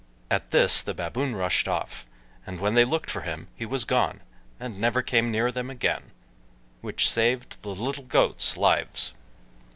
At this the Baboon rushed off, and when they looked for him, he was gone, and never came near them again, which saved the little goats' lives.